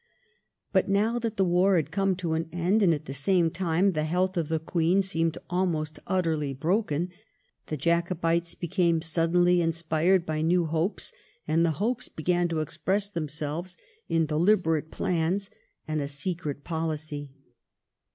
But now that the war had come to an end, and at the same time the health of the Queen seemed almost utterly broken, the Jacobites became suddenly inspired by new hopes, and the hopes began to express themselves in delibe rate plans and in a secret policy.